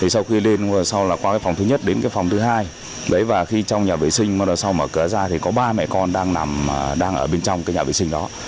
sau khi lên qua phòng thứ nhất đến phòng thứ hai khi trong nhà vệ sinh mở cửa ra thì có ba mẹ con đang ở bên trong nhà vệ sinh đó